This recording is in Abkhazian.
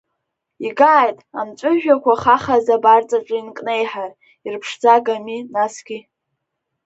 Игааит, амҵәыжәҩақәа хахаӡа абарҵаҿы инкнеиҳар, ирԥшӡагами, насгьы…